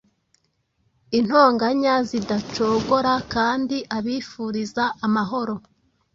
Intonganya zidacogorakandi abifuriza amahoro